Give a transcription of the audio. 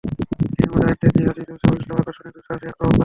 তিনি মুজাহিদদের জিহাদী জোশ এবং ইসলামের আকর্ষণে এ দুঃসাহসিক আক্রমণ করেন।